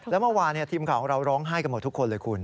แล้วเมื่อวานทีมข่าวของเราร้องไห้กันหมดทุกคนเลยคุณ